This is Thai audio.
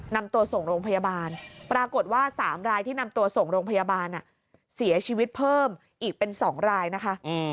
นำตัวส่งโรงพยาบาลปรากฏว่า๓รายที่นำตัวส่งโรงพยาบาลเสียชีวิตเพิ่มอีกเป็น๒รายนะคะ